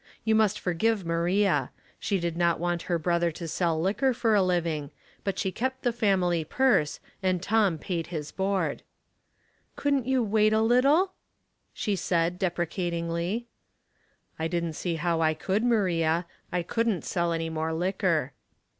You must forgive Maria; she did not want her brother to sell liquor for a living, but she kept the family purse, and Tom paid his board. *' Couldn't you wait a little ?'* she said, dep »Hicatin2jly. Lace8 and Duty, 305 " I didn't see how I could, Maria. I couldn't sell any more liquor."